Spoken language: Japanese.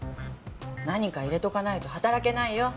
何か入れておかないと働けないよ。